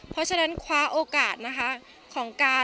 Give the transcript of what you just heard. เพราะฉะนั้นคว้าโอกาสนะคะ